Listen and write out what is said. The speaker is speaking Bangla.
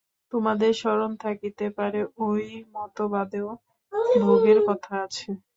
তোমাদের স্মরণ থাকিতে পারে, ঐ মতবাদেও ভোগের কথা আছে।